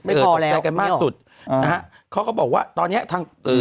ไม่พอแล้วก็แซ่กันมากสุดอ่าฮะเขาก็บอกว่าตอนเนี้ยทางเออ